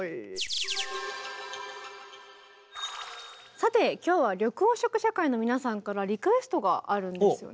さて今日は緑黄色社会の皆さんからリクエストがあるんですよね？